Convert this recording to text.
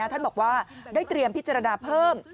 ท่านบอกว่าได้เตรียมพิจารณาเพิ่ม